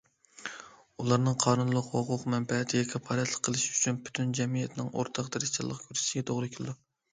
ئۇلارنىڭ قانۇنلۇق ھوقۇق- مەنپەئەتىگە كاپالەتلىك قىلىش ئۈچۈن پۈتۈن جەمئىيەتنىڭ ئورتاق تىرىشچانلىق كۆرسىتىشىگە توغرا كېلىدۇ.